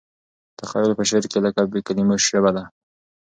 تخیل په شعر کې لکه بې کلیمو ژبه دی.